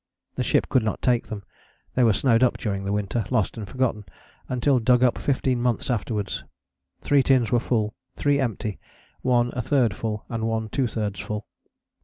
The ship could not take them: they were snowed up during the winter, lost and forgotten, until dug up fifteen months afterwards. Three tins were full, three empty, one a third full and one two thirds full.